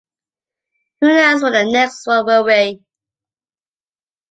Who knows when the next one will be.